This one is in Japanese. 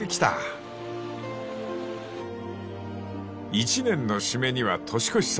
［１年の締めには年越しそば］